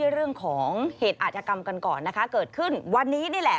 เรื่องของเหตุอาจกรรมกันก่อนนะคะเกิดขึ้นวันนี้นี่แหละ